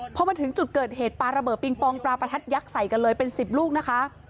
พอมาถึงจุดเกิดเหตุปลาระเบิดปิงปองปลาประทัดยักษ์ใส่กันเลยเป็น๑๐ลูกนะคะ